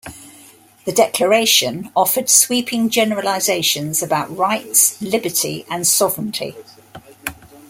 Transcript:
The Declaration offered sweeping generalizations about rights, liberty, and sovereignty.